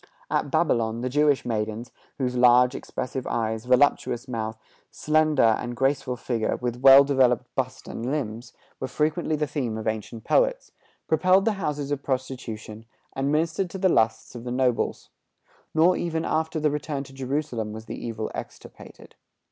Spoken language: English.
At Babylon, the Jewish maidens, whose large, expressive eyes, voluptuous mouth, slender and graceful figure, with well developed bust and limbs, were frequently the theme of ancient poets, peopled the houses of prostitution, and ministered to the lusts of the nobles. Nor even after the return to Jerusalem was the evil extirpated.